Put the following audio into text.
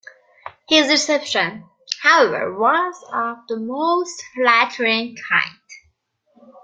His reception, however, was of the most flattering kind.